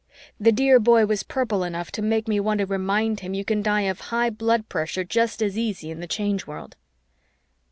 The dear boy was purple enough to make me want to remind him you can die of high blood pressure just as easy in the Change World.